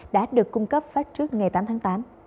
đã được cung cấp phát trước ngày tám tháng tám